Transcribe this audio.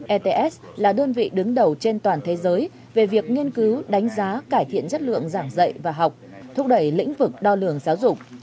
ets là đơn vị đứng đầu trên toàn thế giới về việc nghiên cứu đánh giá cải thiện chất lượng giảng dạy và học thúc đẩy lĩnh vực đo lường giáo dục